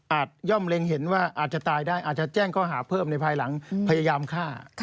ย่อมเล็งเห็นว่าอาจจะตายได้อาจจะแจ้งข้อหาเพิ่มในภายหลังพยายามฆ่า